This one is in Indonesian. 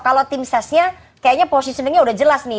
kalau tim sesnya kayaknya positioningnya sudah jelas nih